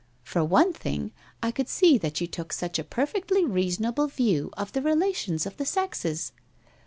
For one thing, I could see that you took such a perfectly reasonable view of the re lations of the sexes.